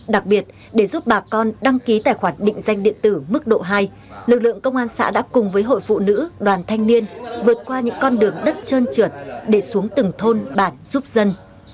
đặc biệt để giúp bà con đăng ký tài khoản định danh điện tử mức độ hai lực lượng công an xã đã cùng với hội phụ nữ đoàn thanh niên vượt qua những con đường đất trơn trượt để xuống từng thôn bản giúp dân